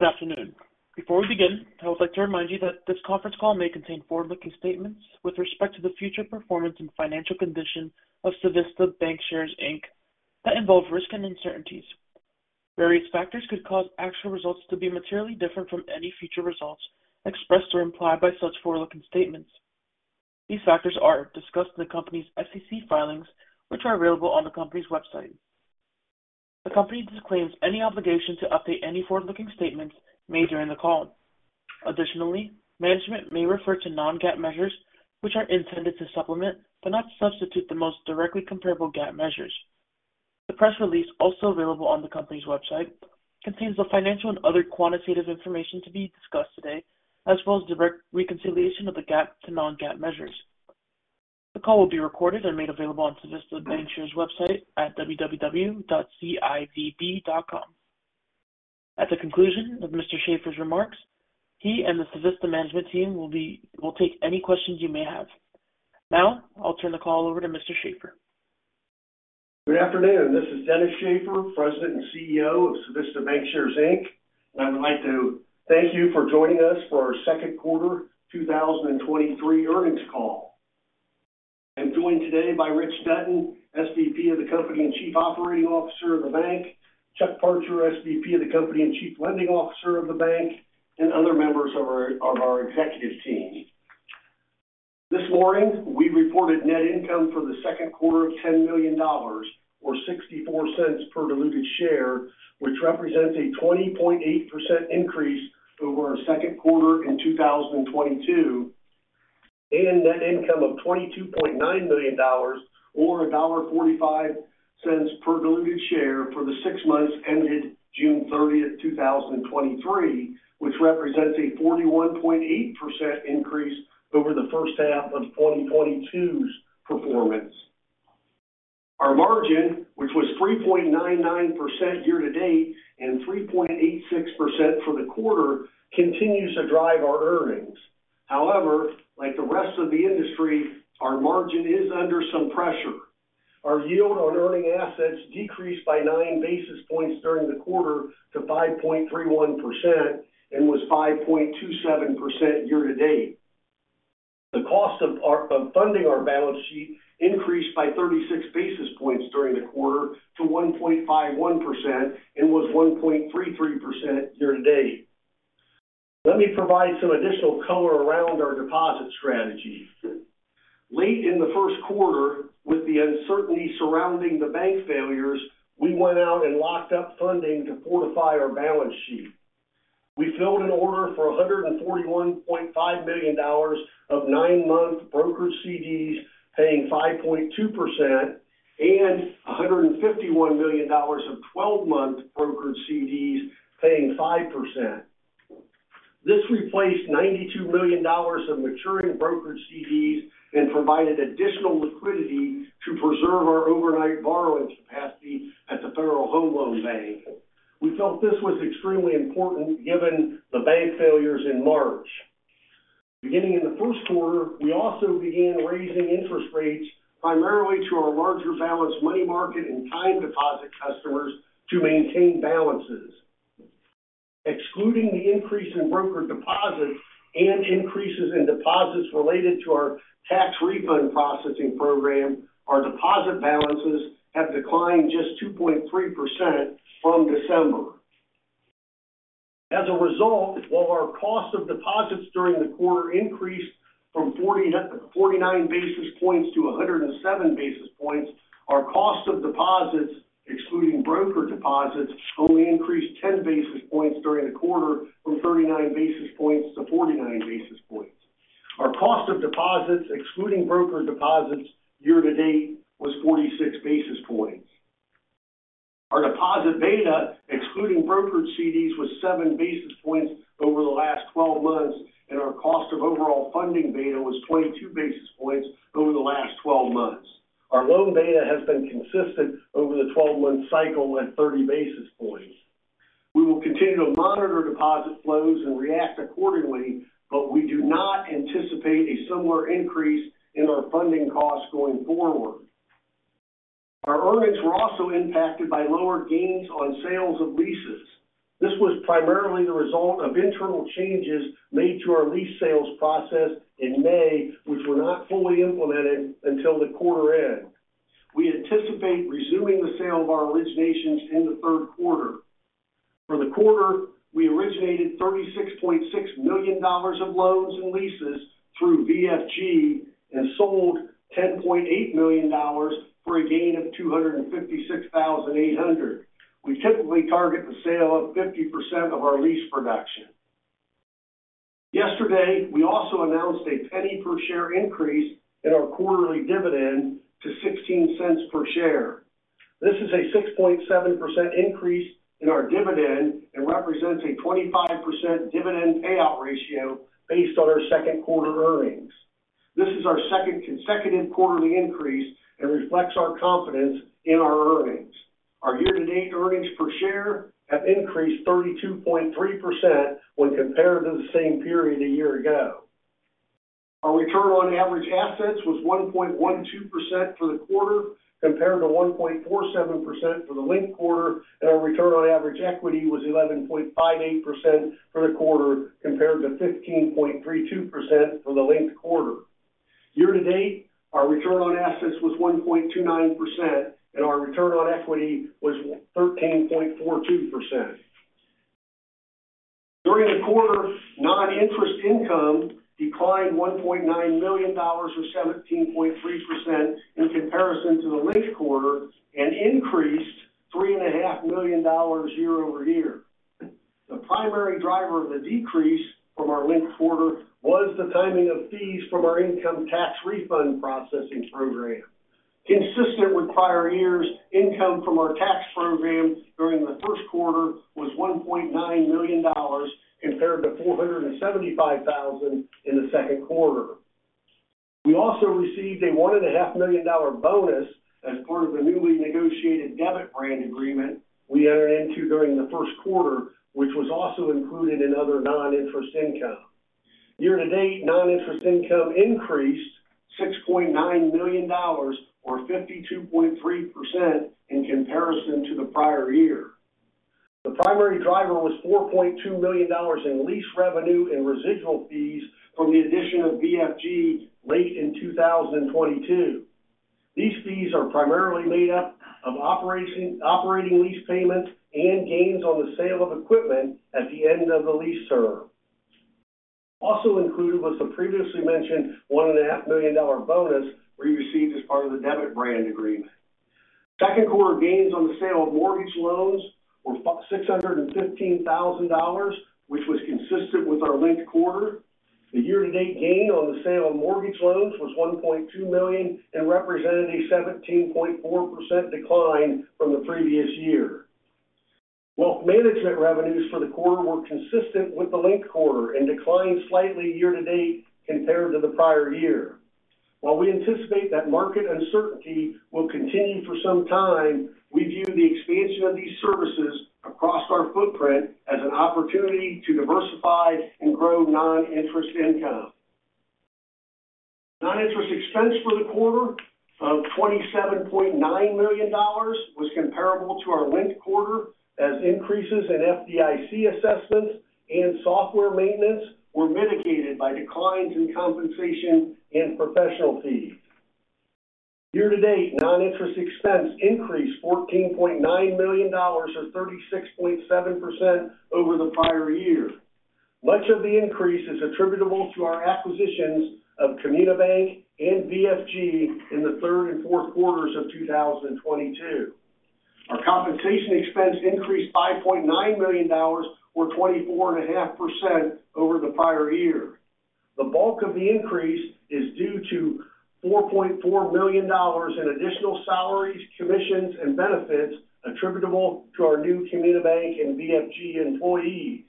Good afternoon. Before we begin, I would like to remind you that this conference call may contain forward-looking statements with respect to the future performance and financial condition of Civista Bancshares, Inc, that involve risk and uncertainties. Various factors could cause actual results to be materially different from any future results expressed or implied by such forward-looking statements. These factors are discussed in the company's SEC filings, which are available on the company's website. The company disclaims any obligation to update any forward-looking statements made during the call. Additionally, management may refer to non-GAAP measures, which are intended to supplement but not substitute the most directly comparable GAAP measures. The press release, also available on the company's website, contains the financial and other quantitative information to be discussed today, as well as direct reconciliation of the GAAP to non-GAAP measures. The call will be recorded and made available on Civista Bancshares' website at www.civb.com. At the conclusion of Mr. Shaffer's remarks, he and the Civista management team will take any questions you may have. Now, I'll turn the call over to Mr. Shaffer. Good afternoon, this is Dennis G. Shaffer, President and CEO of Civista Bancshares, Inc. I would like to thank you for joining us for our second quarter 2023 earnings call. I'm joined today by Rich Dutton, SVP of the company and Chief Operating Officer of the bank, Chuck Parcher, SVP of the company and Chief Lending Officer of the bank, other members of our executive team. This morning, we reported net income for the second quarter of $10 million or $0.64 per diluted share, which represents a 20.8% increase over our second quarter in 2022, and net income of $22.9 million or $1.45 per diluted share for the six months ended June 30, 2023, which represents a 41.8% increase over the first half of 2022's performance. Our margin, which was 3.99% year to date and 3.86% for the quarter, continues to drive our earnings. However, like the rest of the industry, our margin is under some pressure. Our yield on earning assets decreased by 9 basis points during the quarter to 5.31% and was 5.27% year to date. The cost of our of funding our balance sheet increased by 36 basis points during the quarter to 1.51% and was 1.33% year to date. Let me provide some additional color around our deposit strategy. Late in the first quarter, with the uncertainty surrounding the bank failures, we went out and locked up funding to fortify our balance sheet. We filled an order for $141.5 million of nine-month brokered CDs paying 5.2% and $151 million of 12-month brokered CDs paying 5%. This replaced $92 million of maturing brokered CDs and provided additional liquidity to preserve our overnight borrowing capacity at the Federal Home Loan Bank. We felt this was extremely important given the bank failures in March. Beginning in the first quarter, we also began raising interest rates primarily to our larger balance money market and time deposit customers to maintain balances. Excluding the increase in brokered deposits and increases in deposits related to our tax refund processing program, our deposit balances have declined just 2.3% from December. As a result, while our cost of deposits during the quarter increased from 49 basis points to 107 basis points, our cost of deposits, excluding brokered deposits, only increased 10 basis points during the quarter from 39 basis points to 49 basis points. Our cost of deposits, excluding brokered deposits, year to date, was 46 basis points. Our deposit beta, excluding brokered CDs, was 7 basis points over the last 12 months, and our cost of overall funding beta was 22 basis points over the last 12 months. Our loan beta has been consistent over the 12-month cycle at 30 basis points. We will continue to monitor deposit flows and react accordingly, but we do not anticipate a similar increase in our funding costs going forward. Our earnings were also impacted by lower gains on sales of leases. This was primarily the result of internal changes made to our lease sales process in May, which were not fully implemented until the quarter end. We anticipate resuming the sale of our originations in the third quarter. For the quarter, we originated $36.6 million of loans and leases through VFG and sold $10.8 million for a gain of $256,800. We typically target the sale of 50% of our lease production. Yesterday, we also announced a $0.01 per share increase in our quarterly dividend to $0.16 per share. This is a 6.7% increase in our dividend and represents a 25% dividend payout ratio based on our second quarter earnings. This is our second consecutive quarterly increase and reflects our confidence in our earnings. Our year-to-date earnings per share have increased 32.3% when compared to the same period a year ago. Our return on average assets was 1.12% for the quarter, compared to 1.47% for the linked quarter, and our return on average equity was 11.58% for the quarter, compared to 15.32% for the linked quarter. Year to date, our return on assets was 1.29%, and our return on equity was 13.42%. During the quarter, non-interest income declined $1.9 million, or 17.3% in comparison to the linked quarter, and increased $3.5 million year-over-year. The primary driver of the decrease from our linked quarter was the timing of fees from our income tax refund processing program. Consistent with prior years, income from our tax program during the first quarter was $1.9 million, compared to $475,000 in the second quarter. We also received a $1.5 million bonus as part of the newly negotiated debit brand agreement we entered into during the first quarter, which was also included in other non-interest income. Year-to-date, non-interest income increased $6.9 million or 52.3% in comparison to the prior year. The primary driver was $4.2 million in lease revenue and residual fees from the addition of VFG late in 2022. These fees are primarily made up of operation, operating lease payments and gains on the sale of equipment at the end of the lease term. Also included was the previously mentioned $1.5 million bonus we received as part of the debit brand agreement. Second quarter gains on the sale of mortgage loans were $615,000, which was consistent with our linked quarter. The year-to-date gain on the sale of mortgage loans was $1.2 million and represented a 17.4% decline from the previous year. Wealth management revenues for the quarter were consistent with the linked quarter and declined slightly year to date compared to the prior year. While we anticipate that market uncertainty will continue for some time, we view the expansion of these services across our footprint as an opportunity to diversify and grow non-interest income. Non-interest expense for the quarter of $27.9 million was comparable to our linked quarter, as increases in FDIC assessments and software maintenance were mitigated by declines in compensation and professional fees. Year to date, non-interest expense increased $14.9 million or 36.7% over the prior year. Much of the increase is attributable to our acquisitions of Communica Bank and VFG in the third and fourth quarters of 2022. Our compensation expense increased $5.9 million or 24.5% over the prior year. The bulk of the increase is due to $4.4 million in additional salaries, commissions, and benefits attributable to our new Communica Bank and VFG employees.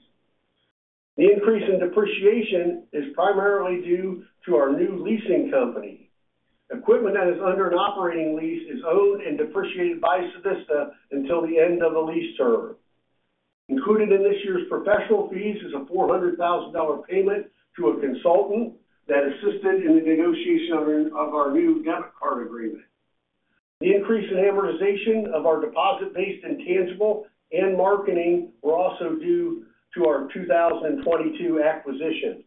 The increase in depreciation is primarily due to our new leasing company. Equipment that is under an operating lease is owned and depreciated by Civista until the end of the lease term. Included in this year's professional fees is a $400,000 payment to a consultant that assisted in the negotiation of our new debit card agreement. The increase in amortization of our deposit-based intangible and marketing were also due to our 2022 acquisitions.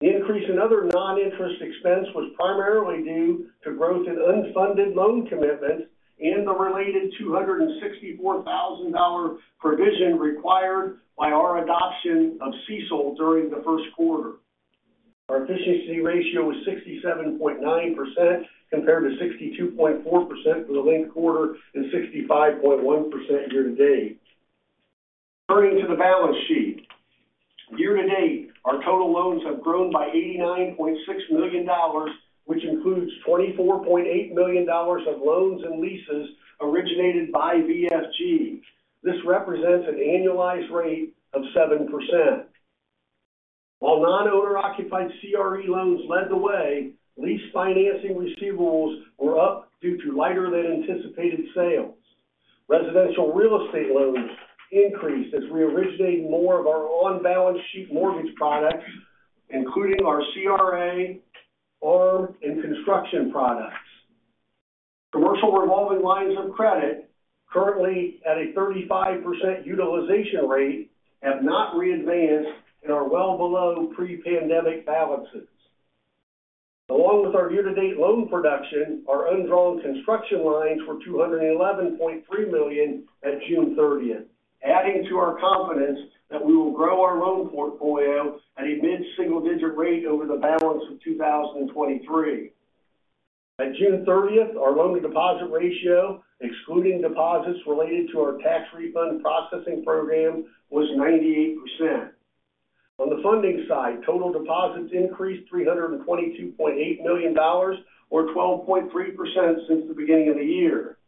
The increase in other non-interest expense was primarily due to growth in unfunded loan commitments and the related $264,000 provision required by our adoption of CECL during the first quarter. Our efficiency ratio was 67.9%, compared to 62.4% for the linked quarter and 65.1% year to date. Turning to the balance sheet. Year to date, our total loans have grown by $89.6 million, which includes $24.8 million of loans and leases originated by VFG. This represents an annualized rate of 7%. While non-owner-occupied CRE loans led the way, lease financing receivables were up due to lighter than anticipated sales. Residential real estate loans increased as we originated more of our on-balance sheet mortgage products, including our CRA, ARM, and construction products. Commercial revolving lines of credit, currently at a 35% utilization rate, have not readvanced and are well below pre-pandemic balances. Along with our year-to-date loan production, our undrawn construction lines were $211.3 million at June 30th, adding to our confidence that we will grow our loan portfolio at a mid-single-digit rate over the balance of 2023. At June 30th, our loan-to-deposit ratio, excluding deposits related to our tax refund processing program, was 98%. On the funding side, total deposits increased $322.8 million or 12.3% since the beginning of the year.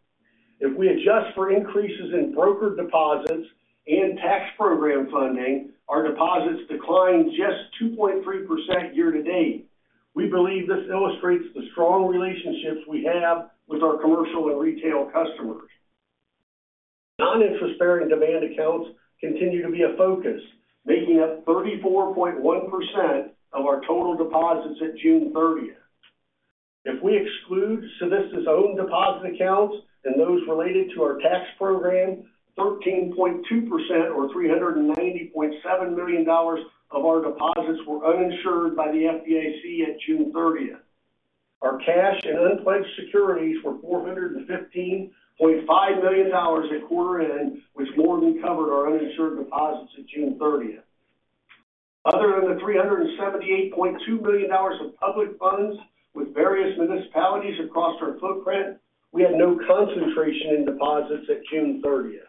If we adjust for increases in broker deposits and tax program funding, our deposits declined just 2.3% year to date. We believe this illustrates the strong relationships we have with our commercial and retail customers. Non-interest-bearing demand accounts continue to be a focus, making up 34.1% of our total deposits at June 30th. If we exclude Civista's own deposit accounts and those related to our tax program, 13.2% or $390.7 million of our deposits were uninsured by the FDIC at June 30th. Our cash and unpledged securities were $415.5 million at quarter end, which more than covered our uninsured deposits at June 30th. Other than the $378.2 million of public funds with various municipalities across our footprint, we had no concentration in deposits at June 30th.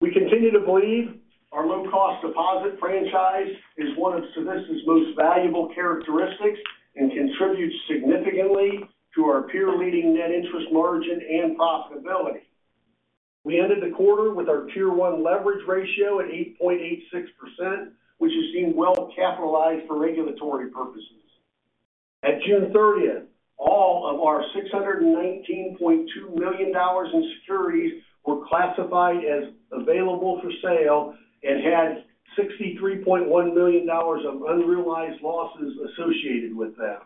We continue to believe our low-cost deposit franchise is one of Civista's most valuable characteristics and contributes significantly to our peer-leading net interest margin and profitability. We ended the quarter with our Tier 1 leverage ratio at 8.86%, which is deemed well capitalized for regulatory purposes. At June 30th, all of our $619.2 million in securities were classified as available for sale and had $63.1 million of unrealized losses associated with them.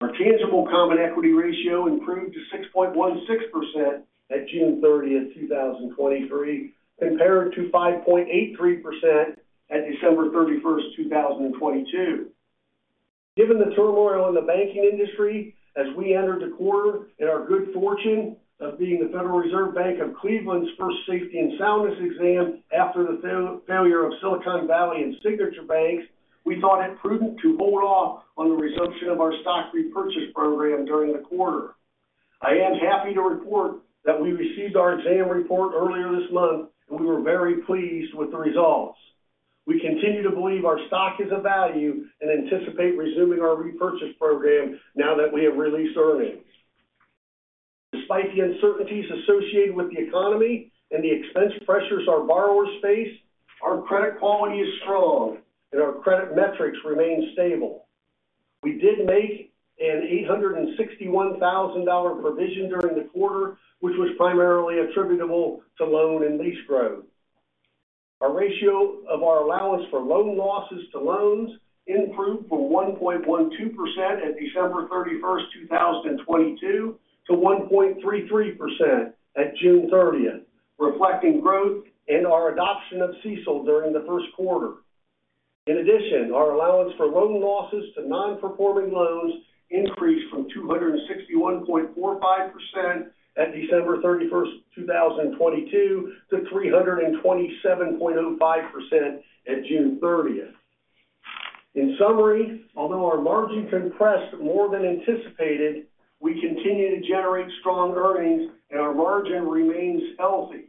Our tangible common equity ratio improved to 6.16% at June 30th, 2023, compared to 5.83% at December 31st, 2022. Given the turmoil in the banking industry as we entered the quarter and our good fortune of being the Federal Reserve Bank of Cleveland's first safety and soundness exam after the failure of Silicon Valley and Signature Banks, we thought it prudent to hold off on the resumption of our stock repurchase program during the quarter. I am happy to report that we received our exam report earlier this month, and we were very pleased with the results. We continue to believe our stock is of value and anticipate resuming our repurchase program now that we have released earnings. Despite the uncertainties associated with the economy and the expense pressures our borrowers face, our credit quality is strong and our credit metrics remain stable. We did make a $861,000 provision during the quarter, which was primarily attributable to loan and lease growth. Our ratio of our allowance for loan losses to loans improved from 1.12% at December 31, 2022, to 1.33% at June 30, reflecting growth in our adoption of CECL during the first quarter. Our allowance for loan losses to non-performing loans increased from 261.45% at December 31, 2022, to 327.05% at June 30. Although our margin compressed more than anticipated, we continue to generate strong earnings, and our margin remains healthy.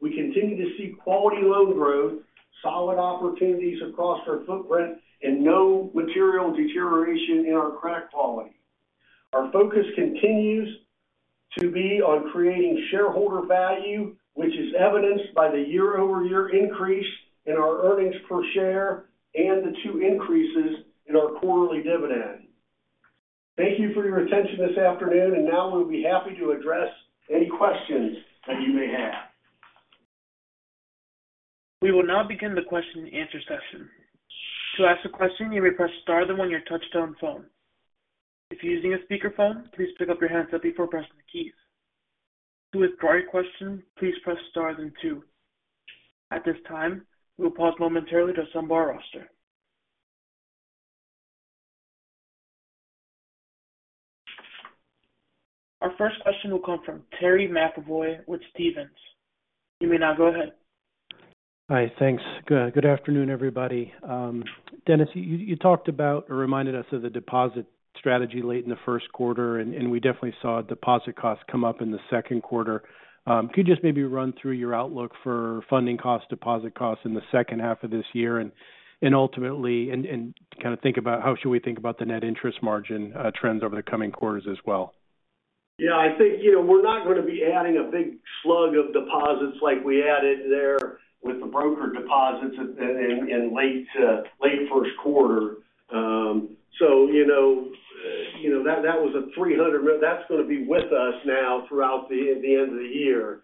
We continue to see quality loan growth, solid opportunities across our footprint, and no material deterioration in our credit quality. Our focus continues to be on creating shareholder value, which is evidenced by the year-over-year increase in our earnings per share and the 2 increases in our quarterly dividend. Thank you for your attention this afternoon, we'll be happy to address any questions that you may have. We will now begin the question and answer session. To ask a question, you may press star then one on your touchtone phone. If you're using a speakerphone, please pick up your handset before pressing the keys. To withdraw your question, please press star then two. At this time, we'll pause momentarily to assemble our roster. Our first question will come from Terry McEvoy with Stephens. You may now go ahead. Hi. Thanks. Good, good afternoon, everybody. Dennis, you, you talked about or reminded us of the deposit strategy late in the first quarter, and, and we definitely saw deposit costs come up in the second quarter. Could you just maybe run through your outlook for funding costs, deposit costs in the second half of this year and, and ultimately, and, and kind of think about how should we think about the net interest margin trends over the coming quarters as well? Yeah, I think, you know, we're not going to be adding a big slug of deposits like we added there with the broker deposits at, in, in late, late first quarter. You know, you know, that, that was a $300 million that's going to be with us now throughout the end of the year.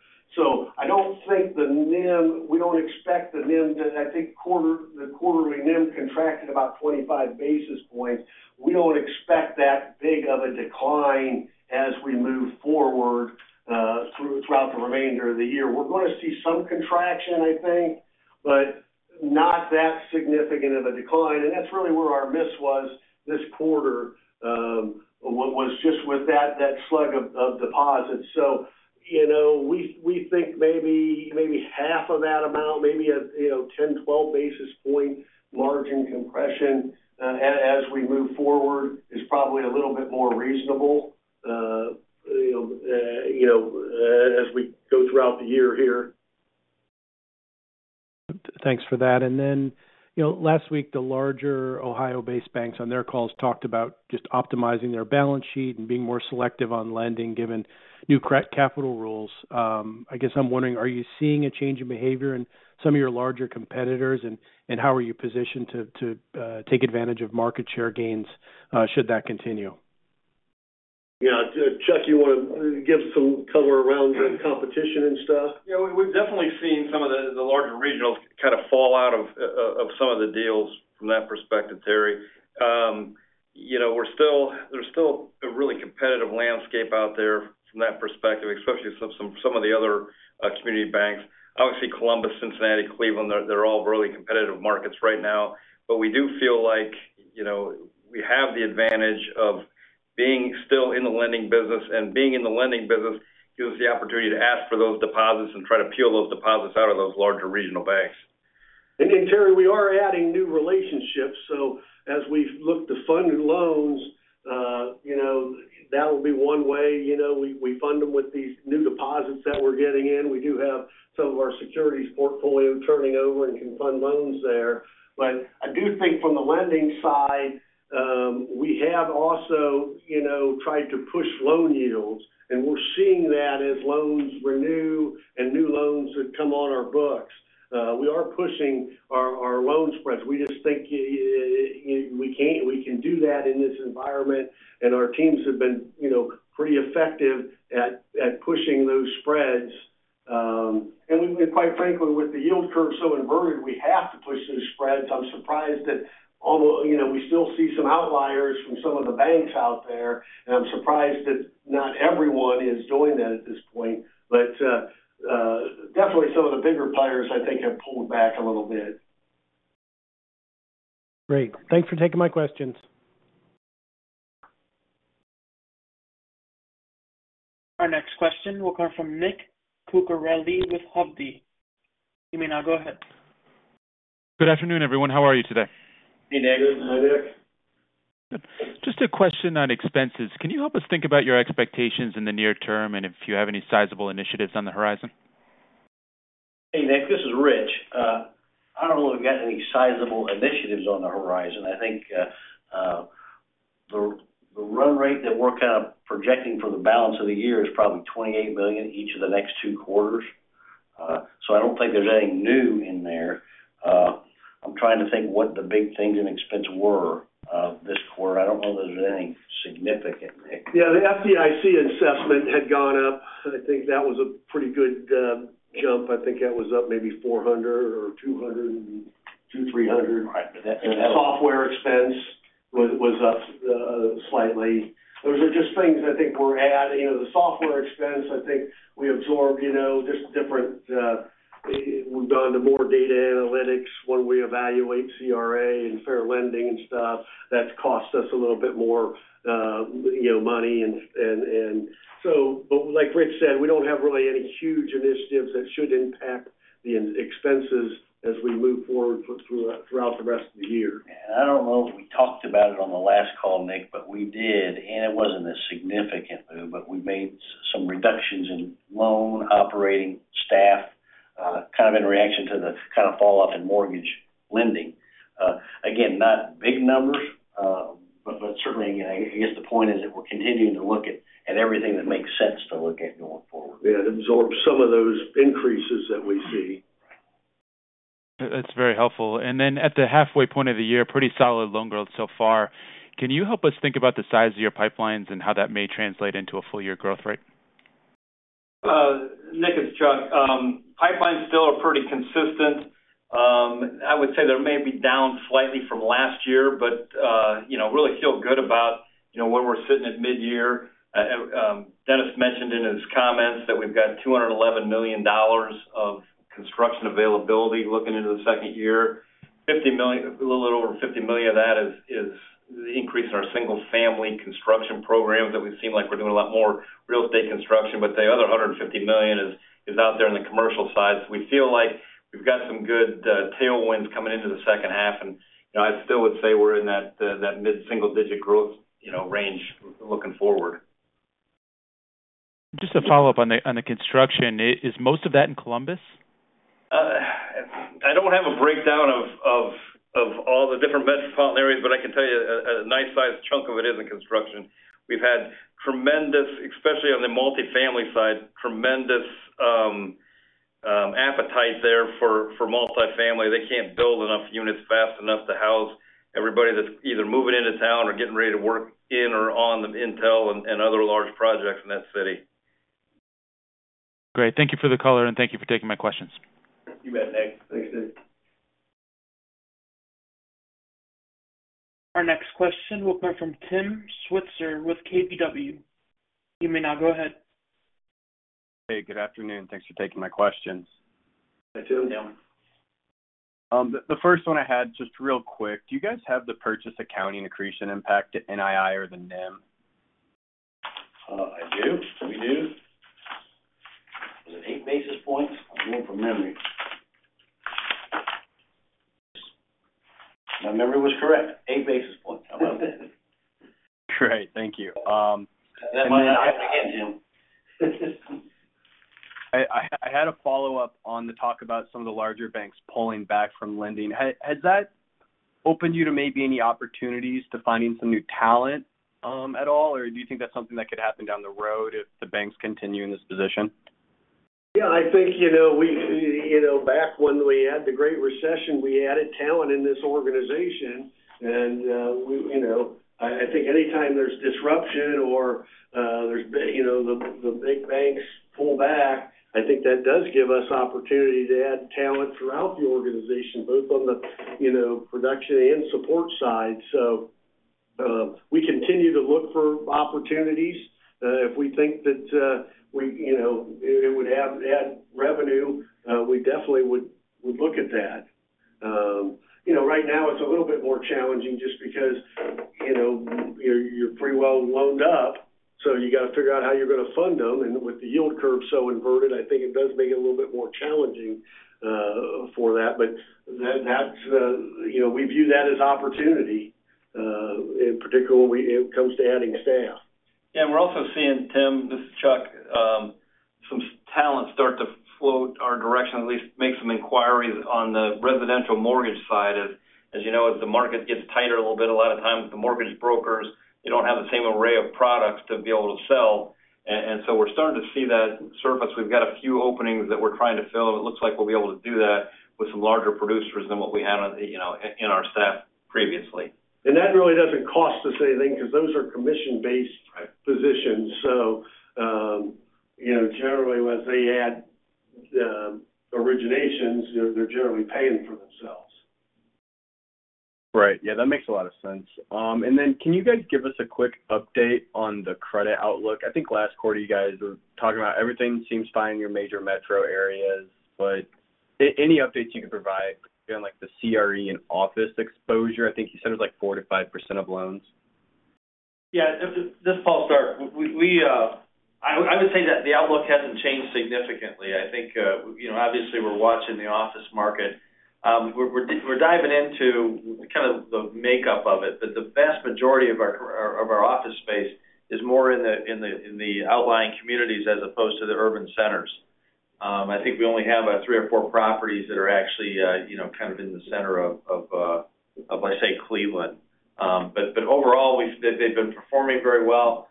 I don't think the NIM, we don't expect the NIM. I think quarter, the quarterly NIM contracted about 25 basis points. We don't expect that big of a decline as we move forward throughout the remainder of the year. We're going to see some contraction, I think, but not that significant of a decline, and that's really where our miss was this quarter, was just with that, that slug of, of deposits. you know, we, we think maybe, maybe half of that amount, maybe, you know, 10, 12 basis point margin compression, as we move forward is probably a little bit more reasonable, you know, you know, as we go throughout the year here. Thanks for that. Then, you know, last week, the larger Ohio-based banks on their calls talked about just optimizing their balance sheet and being more selective on lending, given new CRE capital rules. I guess I'm wondering, are you seeing a change in behavior in some of your larger competitors, and, and how are you positioned to, to take advantage of market share gains, should that continue? Yeah, Chuck, you want to give some color around the competition and stuff? Yeah, we've definitely seen some of the, the larger regionals kind of fall out of some of the deals from that perspective, Terry. You know, there's still a really competitive landscape out there from that perspective, especially some, some of the other community banks. Obviously, Columbus, Cincinnati, Cleveland, they're, they're all really competitive markets right now. We do feel like, you know, we have the advantage of being still in the lending business, and being in the lending business gives the opportunity to ask for those deposits and try to peel those deposits out of those larger regional banks. Terry, we are adding new relationships, so as we look to fund new loans, you know, that will be one way. You know, we, we fund them with these new deposits that we're getting in. We do have some of our securities portfolio turning over and can fund loans there. I do think from the lending side, we have also, you know, tried to push loan yields, and we're seeing that as loans renew and new loans that come on our books. We are pushing our, our loan spreads. We just think we can, we can do that in this environment, and our teams have been, you know, pretty effective at, at pushing those spreads. We, and quite frankly, with the yield curve so inverted, we have to push those spreads. I'm surprised that, although, you know, we still see some outliers from some of the banks out there, and I'm surprised that not everyone is doing that at this point. Definitely some of the bigger players, I think, have pulled back a little bit. Great. Thanks for taking my questions. Our next question will come from Nick Cucharale with Hovde. You may now go ahead. Good afternoon, everyone. How are you today? Hey, Nick. Good, hi, Nick. Just a question on expenses. Can you help us think about your expectations in the near term, and if you have any sizable initiatives on the horizon? Hey, Nick, this is Rich. I don't know if we've got any sizable initiatives on the horizon. I think, the, the run rate that we're kind of projecting for the balance of the year is probably $28 million each of the next two quarters. I don't think there's anything new in there. I'm trying to think what the big things in expense were, this quarter. I don't know that there's anything significant, Nick. Yeah, the FDIC assessment had gone up. I think that was a pretty good jump. I think that was up maybe $400 or $202, $300. Right, that- Software expense was, was up slightly. Those are just things I think we're adding. You know, the software expense, I think we absorbed, you know, just different, we've gone to more data analytics when we evaluate CRA and fair lending and stuff. That's cost us a little bit more, you know, money. Like Rich said, we don't have really any huge initiatives that should impact the expenses as we move forward for, through, throughout the rest of the year. I don't know if we talked about it on the last call, Nick, but we did, and it wasn't a significant move, but we made some reductions in loan, operating, staff, kind of in reaction to the kind of falloff in mortgage lending. Again, not big numbers, but, but certainly, I guess the point is that we're continuing to look at, at everything that makes sense to look at going forward. Yeah, absorb some of those increases that we see. That's very helpful. At the halfway point of the year, pretty solid loan growth so far. Can you help us think about the size of your pipelines and how that may translate into a full year growth rate? Nick, it's Chuck. Pipelines still are pretty consistent. I would say they may be down slightly from last year, but, you know, really feel good about, you know, where we're sitting at mid-year. Dennis mentioned in his comments that we've got $211 million of construction availability looking into the second year. $50 million, a little over $50 million of that is, is the increase in our single-family construction program, that we seem like we're doing a lot more real estate construction, but the other $150 million is, is out there in the commercial side. We feel like we've got some good tailwinds coming into the second half, and, you know, I still would say we're in that mid-single digit growth, you know, range looking forward. Just a follow-up on the, on the construction. Is most of that in Columbus? I don't have a breakdown of, of, of all the different metropolitan areas, but I can tell you a, a nice-sized chunk of it is in construction. We've had tremendous, especially on the multifamily side, tremendous appetite there for, for multifamily. They can't build enough units fast enough to house everybody that's either moving into town or getting ready to work in or on the Intel and other large projects in that city. Great. Thank you for the color, and thank you for taking my questions. You bet, Nick. Thanks, Nick. Our next question will come from Timothy Switzer with KBW. You may now go ahead. Hey, good afternoon. Thanks for taking my questions. Hey, Tim. Yeah. The, the first one I had, just real quick, do you guys have the purchase accounting accretion impact to NII or the NIM? I do. We do. Was it 8 basis points? I'm going from memory. My memory was correct, 8 basis points. Great. Thank you. Then again, Tim. I, I, I had a follow-up on the talk about some of the larger banks pulling back from lending. Has, has that opened you to maybe any opportunities to finding some new talent at all? Do you think that's something that could happen down the road if the banks continue in this position? Yeah, I think, you know, we, you know, back when we had the Great Recession, we added talent in this organization, and we, you know, I think anytime there's disruption or there's big, you know, the big banks pull back, I think that does give us opportunity to add talent throughout the organization, both on the, you know, production and support side. We continue to look for opportunities. If we think that, we, you know, it would add revenue, we definitely would, would look at that. You know, right now it's a little bit more challenging just because, you know, you're, you're pretty well loaned up, so you got to figure out how you're going to fund them. With the yield curve so inverted, I think it does make it a little bit more challenging for that. That, that's, you know, we view that as opportunity in particular, when it comes to adding staff. Yeah, we're also seeing, Tim, this is Chuck, some talent start to float our direction, at least make some inquiries on the residential mortgage side. As, as you know, as the market gets tighter a little bit, a lot of times the mortgage brokers, they don't have the same array of products to be able to sell. So we're starting to see that surface. We've got a few openings that we're trying to fill. It looks like we'll be able to do that with some larger producers than what we had on, you know, in our staff previously. That really doesn't cost us anything because those are commission-based. Right positions. you know, generally, once they add, originations, they're, they're generally paying for themselves. Right. Yeah, that makes a lot of sense. Can you guys give us a quick update on the credit outlook? I think last quarter, you guys were talking about everything seems fine in your major metro areas, but any updates you can provide on, like, the CRE and office exposure? I think you said it was, like, 4%-5% of loans. Yeah, this, this is Paul Stark. We, we, I, I would say that the outlook hasn't changed significantly. I think, you know, obviously, we're watching the office market. We're, we're diving into kind of the makeup of it, but the vast majority of our of our office space is more in the, in the, in the outlying communities as opposed to the urban centers. I think we only have three or four properties that are actually, you know, kind of in the center of, of, of, let's say, Cleveland. Overall, they've been performing very well.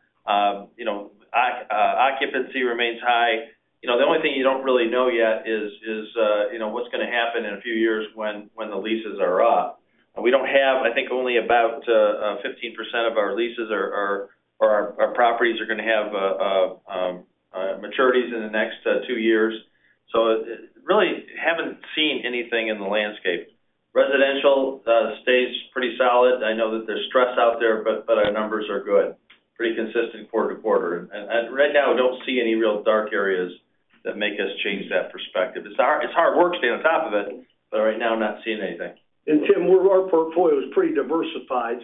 You know, occupancy remains high. You know, the only thing you don't really know yet is, is, you know, what's going to happen in a few years when, when the leases are up. We don't have-- I think only about 15% of our leases or our, or our, our properties are going to have maturities in the next 2 years. Really haven't seen anything in the landscape. Residential stays pretty solid. I know that there's stress out there, but, but our numbers are good, pretty consistent quarter to quarter. Right now, we don't see any real dark areas that make us change that perspective. It's hard, it's hard work staying on top of it, but right now I'm not seeing anything. Tim, our portfolio is pretty diversified.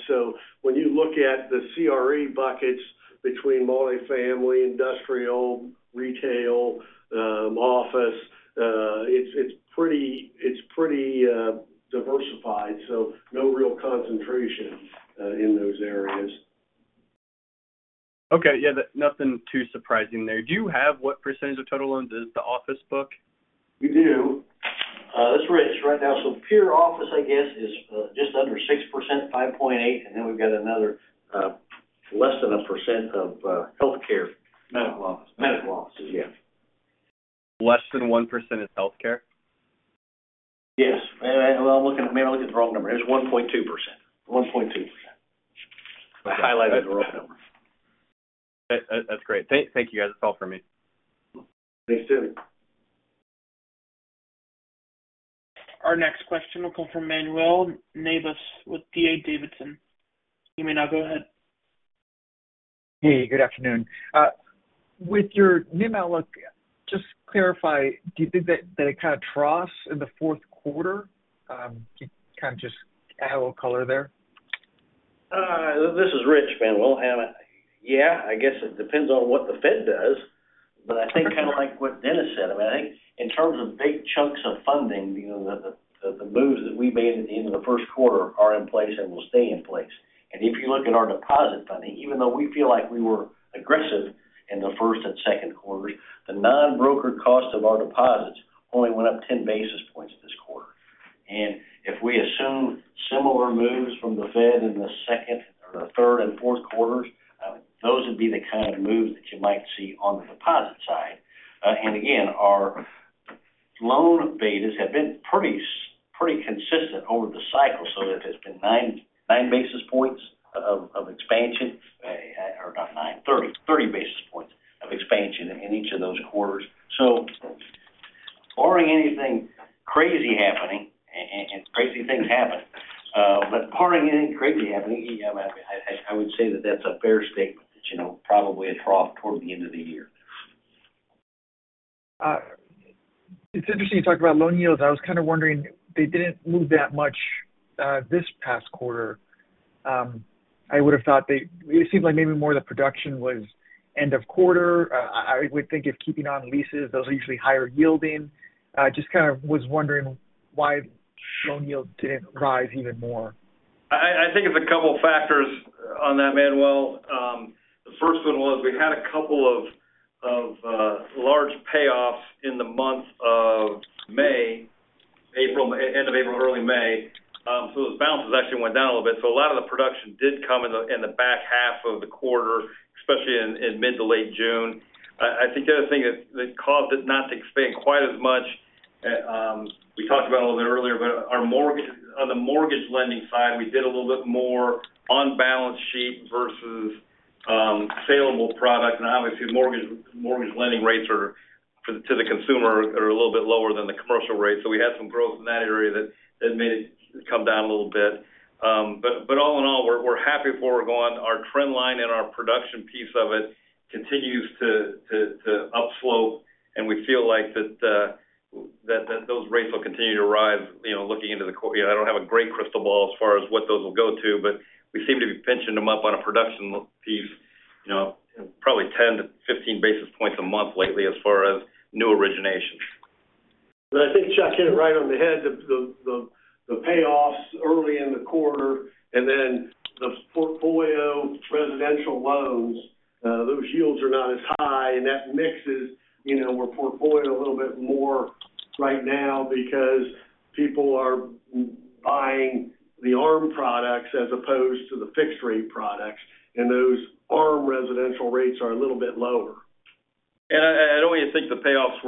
When you look at the CRE buckets between multifamily, industrial, retail, office, it's pretty diversified, so no real concentration in those areas. Okay. Yeah, nothing too surprising there. Do you have what percentage of total loans is the office book? We do. This is Rich right now. Pure office, I guess, is, just under 6%, 5.8, and then we've got another, less than 1% of, healthcare. Medical office. Medical offices, yeah. Less than 1% is healthcare? Yes. Well, maybe I'm looking at the wrong number. It's 1.2%. 1.2%. I highlighted the wrong number. That, that's great. Thank, thank you, guys. That's all for me. Thanks, Tim. Our next question will come from Manuel Navas with D.A. Davidson & Co. You may now go ahead. Hey, good afternoon. With your new outlook, just clarify, do you think that, that it kind of troughs in the fourth quarter? Can you kind of just add a little color there? This is Rich Dutton, Manuel, and, yeah, I guess it depends on what the Fed does, but I think kind of like what Dennis Shaffer said, I think in terms of big chunks of funding, you know, the, the, the moves that we made at the end of the first quarter are in place and will stay in place. If you look at our deposit funding, even though we feel like we were aggressive in the first and second quarters, the non-brokered cost of our deposits only went up 10 basis points this quarter. If we assume similar moves from the Fed in the second or the third and fourth quarters, those would be the kind of moves that you might see on the deposit side. Again, our loan betas have been pretty consistent over the cycle. It has been 9, 9 basis points of expansion, or not 9, 30, 30 basis points of expansion in each of those quarters. Barring anything crazy happening, and, and crazy things happen, but barring anything crazy happening, yeah, I, I would say that that's a fair statement that, you know, probably a trough toward the end of the year. It's interesting you talked about loan yields. I was kind of wondering, they didn't move that much, this past quarter. I would have thought it seemed like maybe more the production was end of quarter. I would think if keeping on leases, those are usually higher yielding. Just kind of was wondering why loan yields didn't rise even more. I think it's a couple of factors on that, Manuel. The first one was we had a couple of large payoffs in the month of May, April, end of April, early May. went down a little bit, so a lot of the production did come in the, in the back half of the quarter, especially in, in mid to late June. I think the other thing that, that caused it not to expand quite as much, we talked about a little bit earlier, but our mortgage on the mortgage lending side, we did a little bit more on balance sheet versus saleable product. Obviously, mortgage, mortgage lending rates are, to the consumer, are a little bit lower than the commercial rates. We had some growth in that area that, that made it come down a little bit. All in all, we're, we're happy where we're going. Our trend line and our production piece of it continues to up slope, and we feel like that, that those rates will continue to rise, you know, looking into the Q. I don't have a great crystal ball as far as what those will go to, but we seem to be pinching them up on a production piece, you know, probably 10 to 15 basis points a month lately as far as new originations. I think Chuck hit it right on the head, the, the, the payoffs early in the quarter and then the portfolio residential loans, those yields are not as high, and that mixes, you know, we're portfolio a little bit more right now because people are buying the ARM products as opposed to the fixed-rate products, and those ARM residential rates are a little bit lower. I, I don't even think the payoffs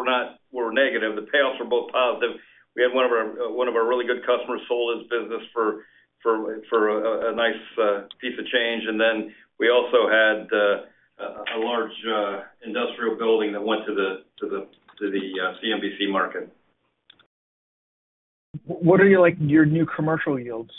were negative. The payoffs were both positive. We had one of our, one of our really good customers sold his business for a nice piece of change. Then we also had a large industrial building that went to the CMBS market. What are your, like, your new commercial yields?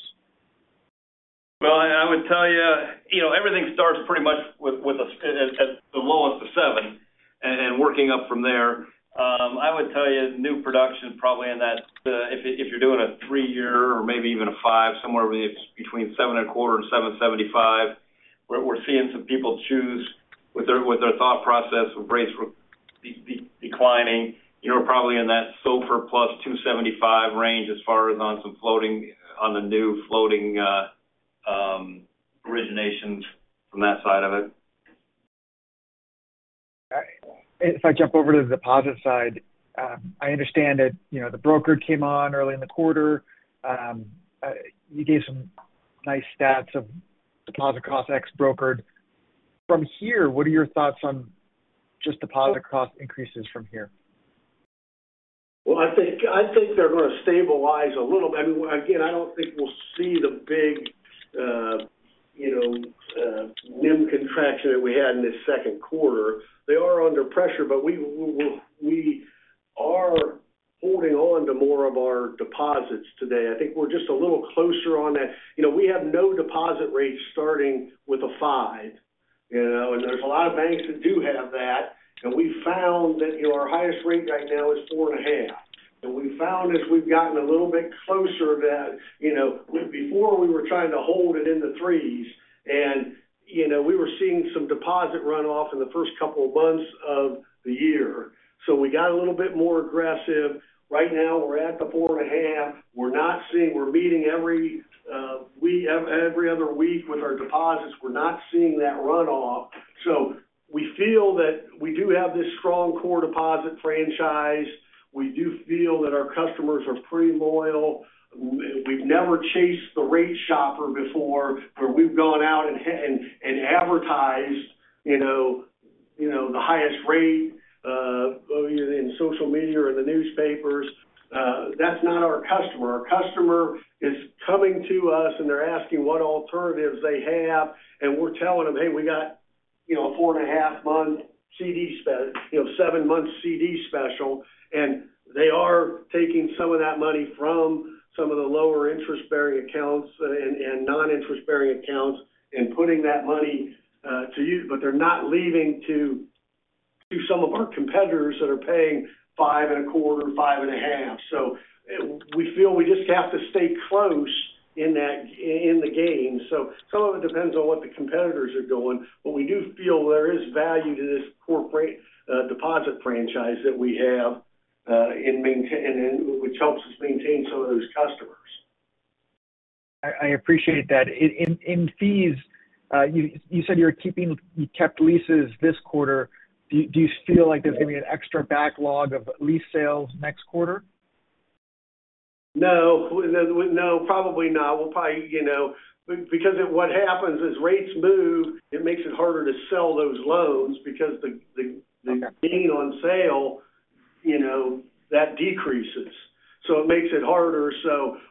Well, I would tell you, you know, everything starts pretty much with at the lowest of 7 and working up from there. I would tell you, new production probably in that, if, if you're doing a 3 year or maybe even a 5, somewhere between 7.25% and 7.75%, we're, we're seeing some people choose with their, with their thought process, with rates declining. You know, we're probably in that SOFR plus 275 range as far as on some floating on the new floating originations from that side of it. If I jump over to the deposit side, I understand that, you know, the broker came on early in the quarter. You gave some nice stats of deposit costs ex brokered. From here, what are your thoughts on just deposit cost increases from here? Well, I think, I think they're going to stabilize a little bit. I mean, again, I don't think we'll see the big, you know, NIM contraction that we had in this second quarter. They are under pressure, but we, we, we are holding on to more of our deposits today. I think we're just a little closer on that. You know, we have no deposit rates starting with a 5, you know. There's a lot of banks that do have that. We found that, you know, our highest rate right now is 4.5%. We found as we've gotten a little bit closer to that, you know, before we were trying to hold it in the 3s and, you know, we were seeing some deposit runoff in the first couple of months of the year. We got a little bit more aggressive. Right now, we're at the 4.5%. We're meeting every, every other week with our deposits. We're not seeing that runoff. We feel that we do have this strong core deposit franchise. We do feel that our customers are pretty loyal. We've never chased the rate shopper before, where we've gone out and, and, and advertised, you know, you know, the highest rate in social media or the newspapers. That's not our customer. Our customer is coming to us, and they're asking what alternatives they have, and we're telling them, "Hey, we got, you know, a 4.5-month CD, you know, 7-month CD special." They are taking some of that money from some of the lower interest-bearing accounts and non-interest-bearing accounts and putting that money to use, but they're not leaving to some of our competitors that are paying 5.25%, 5.5%. We feel we just have to stay close in that, in the game. Some of it depends on what the competitors are doing, but we do feel there is value to this corporate deposit franchise that we have, and which helps us maintain some of those customers. I, I appreciate that. In, in, in fees, you, you said you're keeping-- you kept leases this quarter. Do, do you feel like there's going to be an extra backlog of lease sales next quarter? No. No, probably not. We'll probably, you know, because what happens is rates move, it makes it harder to sell those loans because the. Okay. the gain on sale, you know, that decreases, it makes it harder.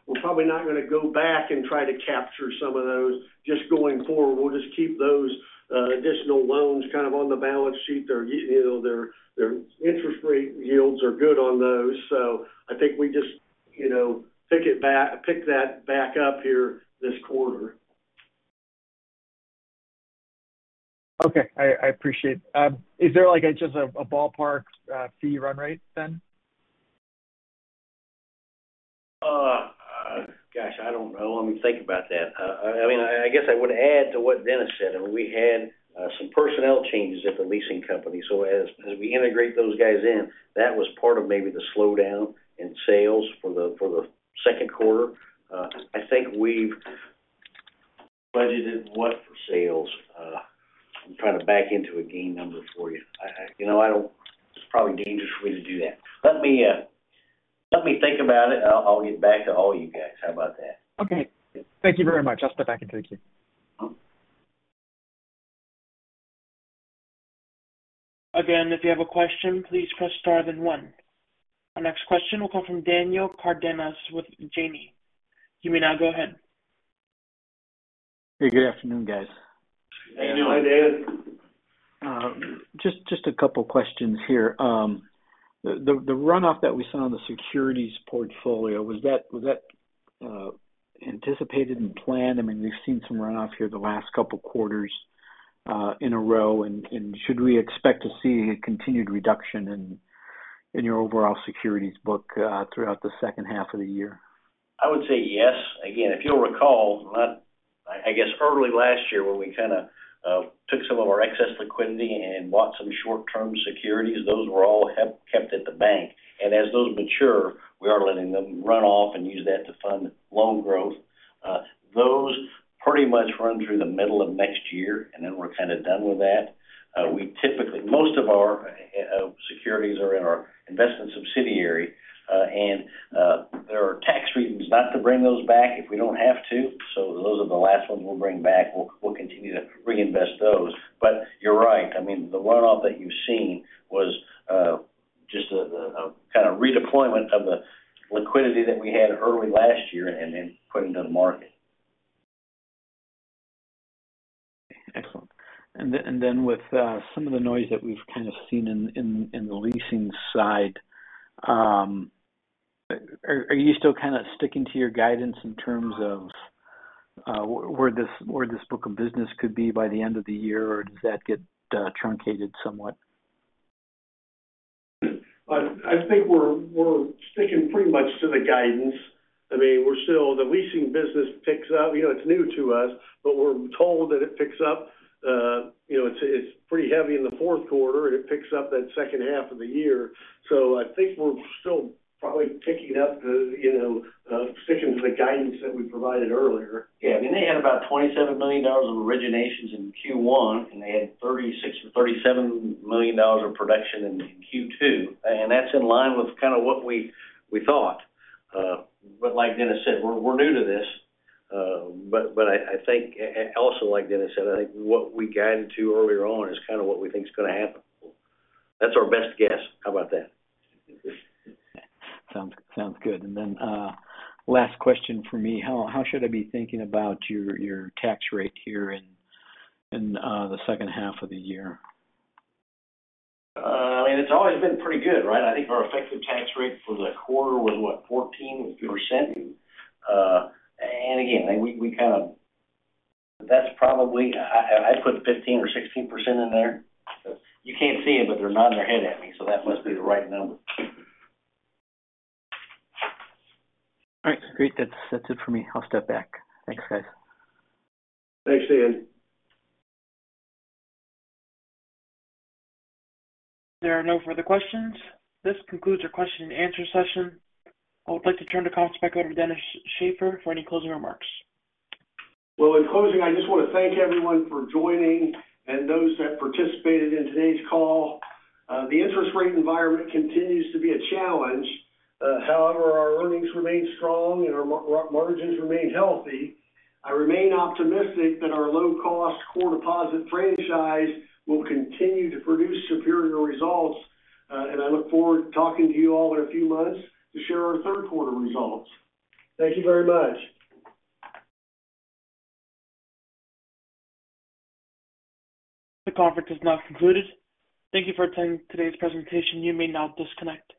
We're probably not going to go back and try to capture some of those just going forward. We'll just keep those, additional loans kind of on the balance sheet. They're, you know, their, their interest rate yields are good on those, I think we just, you know, pick that back up here this quarter. Okay, I, I appreciate it. Is there just a ballpark fee run rate then? Gosh, I don't know. Let me think about that. I, I mean, I guess I would add to what Dennis said, we had some personnel changes at the leasing company. As, as we integrate those guys in, that was part of maybe the slowdown in sales for the second quarter. I think we've...... it is what for sales? I'm trying to back into a gain number for you. I, I, you know, I don't-- it's probably dangerous for me to do that. Let me, let me think about it, and I'll, I'll get back to all you guys. How about that? Okay. Thank you very much. I'll step back and thank you. Oh. Again, if you have a question, please press Star, then one. Our next question will come from Daniel Cardenas with Janney. You may now go ahead. Hey, good afternoon, guys. Hey, Daniel. Hi, Dan. Just, just a couple questions here. The, the, the runoff that we saw on the securities portfolio, was that, was that, anticipated and planned? I mean, we've seen some runoff here the last couple quarters in a row. Should we expect to see a continued reduction in, in your overall securities book throughout the second half of the year? I would say yes. Again, if you'll recall, not... I, I guess early last year, when we kind of took some of our excess liquidity and bought some short-term securities, those were all kept at the bank. As those mature, we are letting them run off and use that to fund loan growth. Those pretty much run through the middle of next year, and then we're kind of done with that. We typically-- most of our securities are in our investment subsidiary, and there are tax reasons not to bring those back if we don't have to, so those are the last ones we'll bring back. We'll, we'll continue to reinvest those. You're right. I mean, the runoff that you've seen was, just a, a, a kind of redeployment of the liquidity that we had early last year and then putting it to the market. Excellent. Then, and then, with, some of the noise that we've kind of seen in, in, in the leasing side, are, are you still kind of sticking to your guidance in terms of, where this, where this book of business could be by the end of the year, or does that get, truncated somewhat? I think we're, we're sticking pretty much to the guidance. I mean, we're still... The leasing business picks up. You know, it's new to us, but we're told that it picks up, you know, it's, it's pretty heavy in the fourth quarter, and it picks up that second half of the year. I think we're still probably picking up the, you know, sticking to the guidance that we provided earlier. Yeah, I mean, they had about $27 million of originations in Q1. They had $36 million or $37 million of production in Q2. That's in line with kind of what we, we thought. Like Dennis said, we're, we're new to this. I think, also like Dennis said, I think what we guided to earlier on is kind of what we think is going to happen. That's our best guess. How about that? Sounds, sounds good. Last question for me: how, how should I be thinking about your, your tax rate here in, in, the second half of the year? I mean, it's always been pretty good, right? I think our effective tax rate for the quarter was, what? 14%. Again, we, we kind of... That's probably, I'd put 15% or 16% in there. You can't see it, but they're nodding their head at me, so that must be the right number. All right, great. That's, that's it for me. I'll step back. Thanks, guys. Thanks, Dan. There are no further questions. This concludes our question and answer session. I would like to turn the conference back over to Dennis Schaefer for any closing remarks. Well, in closing, I just want to thank everyone for joining and those that participated in today's call. The interest rate environment continues to be a challenge. However, our earnings remain strong, and our margins remain healthy. I remain optimistic that our low-cost core deposit franchise will continue to produce superior results. I look forward to talking to you all in a few months to share our third quarter results. Thank you very much. The conference is now concluded. Thank you for attending today's presentation. You may now disconnect.